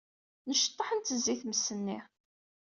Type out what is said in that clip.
Necḍeḥ, nettezzi i tmes-nni.